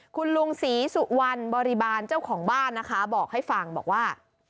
คุณลุงศรีสุวรรณบริบารเจ้าของบ้านนะคะบอกให้ฟังบอกว่า